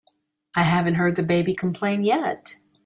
I haven't heard the baby complain yet.